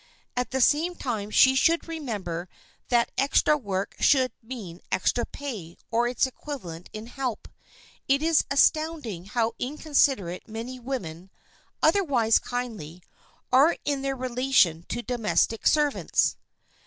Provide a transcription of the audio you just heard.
At the same time she should remember that extra work should mean extra pay or its equivalent in help. It is astonishing how inconsiderate many women, otherwise kindly, are in their relation to domestic servants.